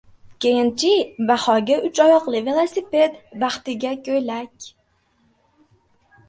— Keyin-chi, Bahoga uch oyoqli velosiped, Baxtiga ko‘ylak...